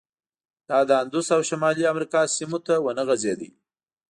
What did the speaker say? دا د اندوس او شمالي امریکا سیمو ته ونه غځېد.